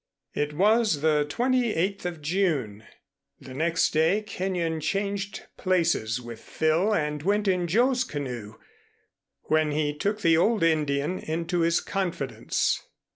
It was the twenty eighth of June. The next day Kenyon changed places with Phil and went in Joe's canoe, when he took the old Indian into his confidence.